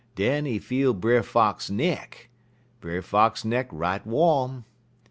Den he feel Brer Fox neck; Brer Fox neck right wom.